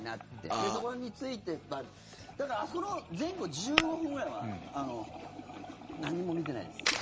で、そこに着いてだからあそこの前後１５分くらいは何も見てないです。